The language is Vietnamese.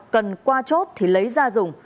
cần qua chốt thì lấy ra dùng